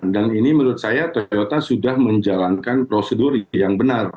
dan ini menurut saya toyota sudah menjalankan prosedur yang benar